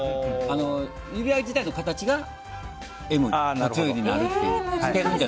指輪自体の形がＭになるっていう。